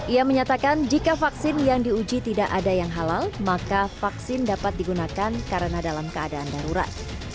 ia menyatakan jika vaksin yang diuji tidak ada yang halal maka vaksin dapat digunakan karena dalam keadaan darurat